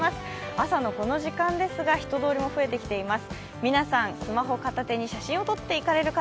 朝のこの時間ですが、人通りも増えてきています。